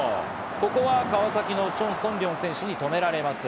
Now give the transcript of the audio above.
ここは川崎のチョン・ソンリョン選手に止められます。